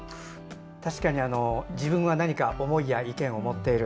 確かに自分は何か思いや意見を持っている。